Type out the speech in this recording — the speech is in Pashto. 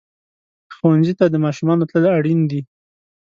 ښوونځي ته د ماشومانو تلل اړین دي.